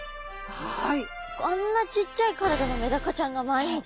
はい。